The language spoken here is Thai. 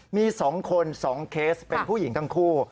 มี๒คน๒เคสเป็นผู้หญิงทั้งคู่